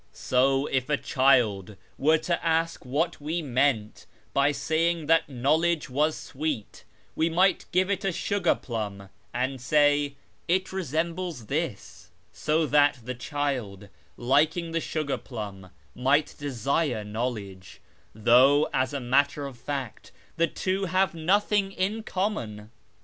So, if a child were to ask what we meant by saying that knowledge was sweet, we might give it a sugar plum and say, ' It re sembles this,' so that the child, liking the sugar plum, might desire knowledge ; though, as a matter of fact, the two have nothing in common.